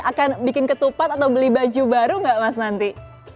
akan bikin ketupat atau beli baju baru nggak mas nanti